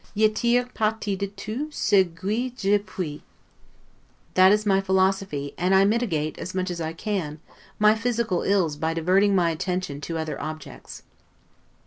'Ye tire parti de tout ce gue je puis'; that is my philosophy; and I mitigate, as much as I can, my physical ills by diverting my attention to other objects.